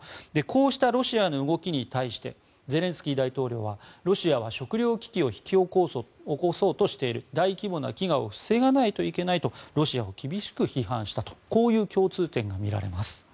こうしたロシアの動きに対してゼレンスキー大統領はロシアは食糧危機を引き起こそうとしている大規模な飢餓を防がないといけないとロシアを厳しく批判したとこういう共通点が見られます。